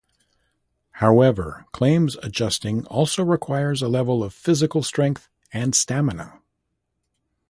However, claims adjusting also requires a level of physical strength and stamina.